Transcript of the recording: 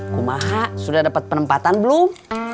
kumaha sudah dapat penempatan belum